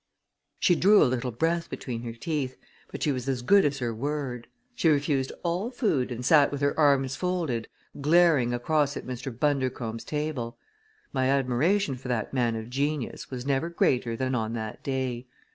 She drew a little breath between her teeth, but she was as good as her word. She refused all food and sat with her arms folded, glaring across at Mr. Bundercombe's table. My admiration for that man of genius was never greater than on that day.